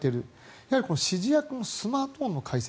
やはり指示役のスマートフォンの解析